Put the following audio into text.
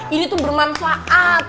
ini tuh bermanfaat